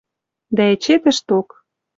Дӓ эче тӹшток: